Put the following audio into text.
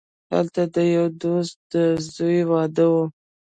هلته د یوه دوست د زوی واده وو.